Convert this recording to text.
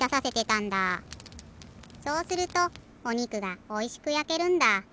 そうするとおにくがおいしくやけるんだ。